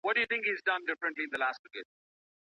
ولي د بریا تنده د یوه انسان ټول فکر او عمل کنټرولوي؟